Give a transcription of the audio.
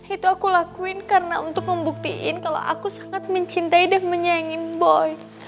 itu aku lakuin karena untuk membuktiin kalau aku sangat mencintai dan menyayangin boy